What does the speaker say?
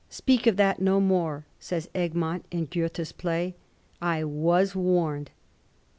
* Speak of that no more,' says Egmont, in Goethe's play :* I wcls warned.'